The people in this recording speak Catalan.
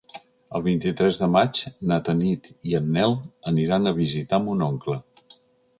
El vint-i-tres de maig na Tanit i en Nel aniran a visitar mon oncle.